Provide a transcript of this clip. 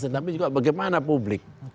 tetapi juga bagaimana publik